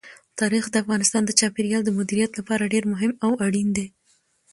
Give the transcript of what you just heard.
تاریخ د افغانستان د چاپیریال د مدیریت لپاره ډېر مهم او اړین دي.